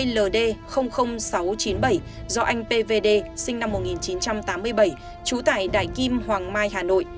hai mươi ld sáu trăm chín mươi bảy do anh pvd sinh năm một nghìn chín trăm tám mươi bảy trú tại đại kim hoàng mai hà nội